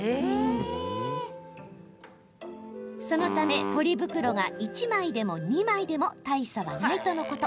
そのためポリ袋が１枚でも２枚でも大差はないとのこと。